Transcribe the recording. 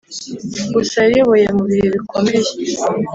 gusa yayoboye mu bihe bikomeye